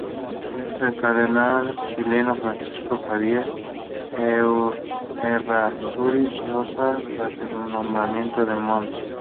El cardenal chileno Francisco Javier Errázuriz Ossa, tras el nombramiento de Mons.